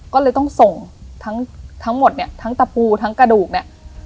ก็เลยต้องส่งทั้งหมดเนี่ยทั้งตะปูทั้งกระดูกเนี่ย